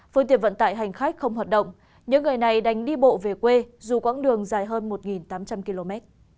phương tiện vận tải hành khách không hoạt động những người này đành đi bộ về quê dù quãng đường dài hơn một tám trăm linh km